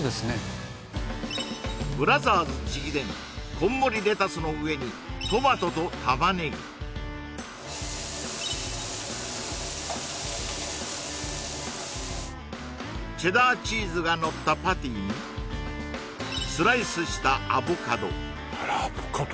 こんもりレタスの上にトマトとタマネギチェダーチーズがのったパティにスライスしたアボカドアボカド